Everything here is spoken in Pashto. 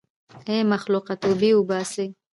ای مخلوقه توبې وباسئ.